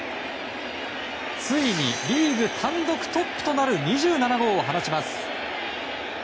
ついにリーグ単独トップとなる２７号を放ちます。